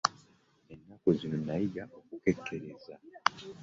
Ennaku zino nayiga okukekkereza.